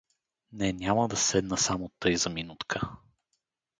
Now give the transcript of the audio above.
— Не, няма да седна, само тъй за минутка.